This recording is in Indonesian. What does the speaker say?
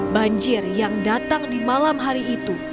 banjir yang datang di malam hari itu